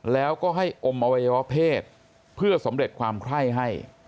แล้วก็ให้อมอวัยวะเพศเพื่อสำเร็จความไข้ให้